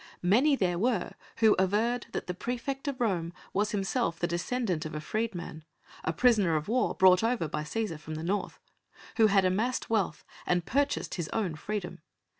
Many there were who averred that the praefect of Rome was himself the descendant of a freedman a prisoner of war brought over by Cæsar from the North who had amassed wealth and purchased his own freedom.